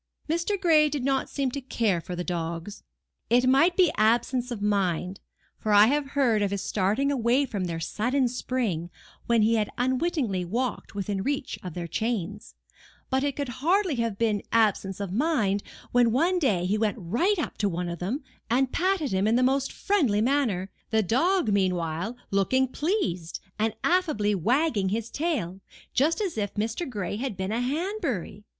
Mr. Gray did not seem to care for the dogs. It might be absence of mind, for I have heard of his starting away from their sudden spring when he had unwittingly walked within reach of their chains: but it could hardly have been absence of mind, when one day he went right up to one of them, and patted him in the most friendly manner, the dog meanwhile looking pleased, and affably wagging his tail, just as if Mr. Gray had been a Hanbury.